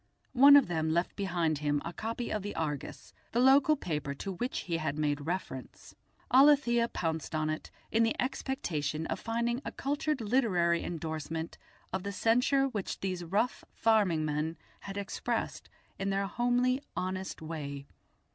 One of them left behind him a copy of the Argus, the local paper to which he had made reference. Alethia pounced on it, in the expectation of finding a cultured literary endorsement of the censure which these rough farming men had expressed in their homely, honest way.